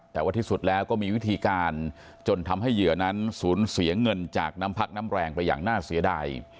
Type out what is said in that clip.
แต่ว่าที่สุดแล้วก็มีวิธีการจนทำให้เหยื่อนั้นสูญเสียเงินจากน้ำพักน้ำแรงไปอย่างน่าเสียดาย